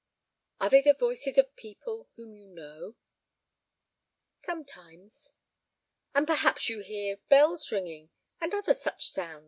"Are they the voices of people whom you know?" "Sometimes." "And perhaps you hear bells ringing, and other such sounds?